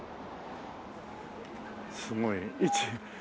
すごい。